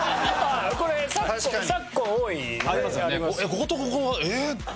こことここええっ？